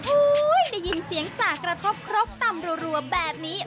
โอ้ยได้ยินเสียงสากระทบครบตัมรู่แบบนี้